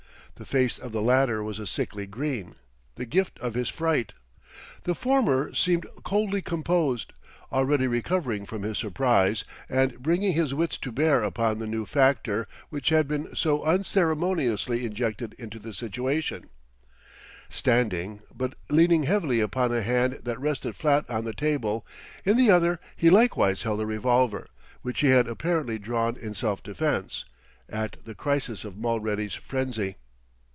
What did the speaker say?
The face of the latter was a sickly green, the gift of his fright. The former seemed coldly composed, already recovering from his surprise and bringing his wits to bear upon the new factor which had been so unceremoniously injected into the situation. [Illustration: Straddling Mulready's body, he confronted Calendar and Stryker.] Standing, but leaning heavily upon a hand that rested flat on the table, in the other he likewise held a revolver, which he had apparently drawn in self defense, at the crisis of Mulready's frenzy.